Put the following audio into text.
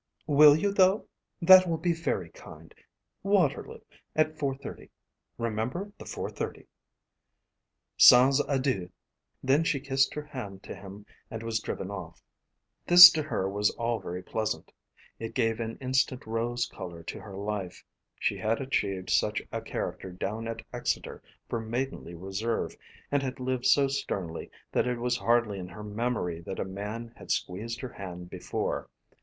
"Will you though? That will be very kind. Waterloo; at 4.30. Remember the 4.30." "Sans adieu!" Then she kissed her hand to him and was driven off. This to her was all very pleasant. It gave an instant rose colour to her life. She had achieved such a character down at Exeter for maidenly reserve, and had lived so sternly, that it was hardly in her memory that a man had squeezed her hand before.